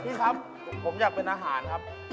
พี่ครับผมอยากเป็นอาหารครับ